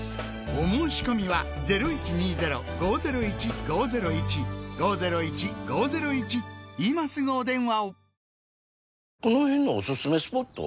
お申込みは今すぐお電話を！